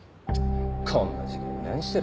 こんな時間に何してる？